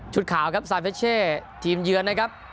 ขาวครับซานเฟชเช่ทีมเยือนนะครับ